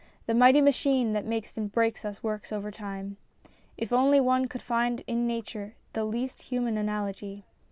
The mighty machine that makes and breaks us works overtime. If only one could find in nature the least human analogy!